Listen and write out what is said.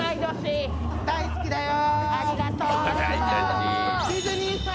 大好きだよ。